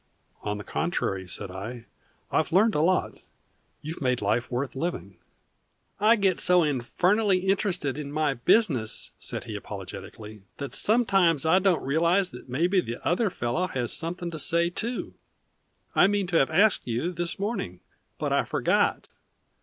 "On the contrary," said I, "I've learned a lot. You've made life worth living." "I get so infernally interested in my business," said he apologetically, "that sometimes I don't realize that maybe the other fellow has something to say too. I meant to have asked you this morning, but I forgot.